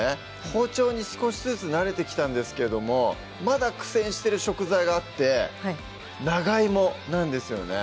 包丁に少しずつ慣れてきたんですけどもまだ苦戦してる食材があって長芋なんですよね